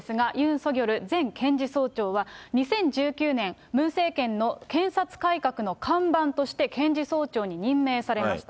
ソギョル前検事総長は、２０１９年、ムン政権の検察改革の看板として検事総長に任命されました。